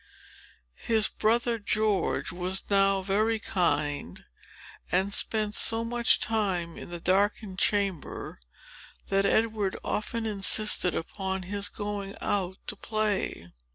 His brother George was now very kind, and spent so much time in the darkened chamber, that Edward often insisted upon his going out to play.